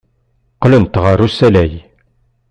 Qqlent ɣer usalay.